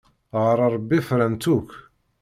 Ɣer Ṛebbi frant akk.